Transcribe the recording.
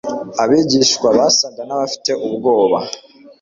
Abigishwa basaga n'abafite ubwoba;